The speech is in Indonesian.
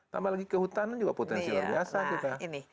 tambah lagi ke hutan juga potensi luar biasa kita